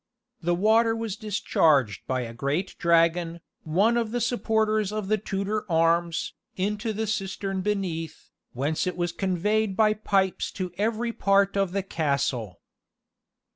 The water was discharged by a great dragon, one of the supporters of the Tudor arms, into the cistern beneath, whence it was conveyed by pipes to every part of the castle.